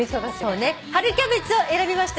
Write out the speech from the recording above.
「春キャベツ」を選びました